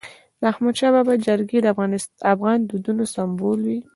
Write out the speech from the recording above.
د احمدشاه بابا جرګي د افغان دودونو سمبول وي.